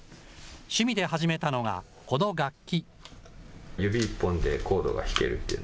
趣味で始めたのがこの楽器。